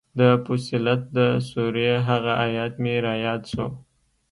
د فصلت د سورې هغه ايت مې راياد سو.